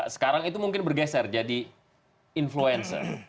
sekarang itu mungkin bergeser jadi influencer